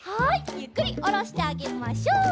ゆっくりおろしてあげましょう。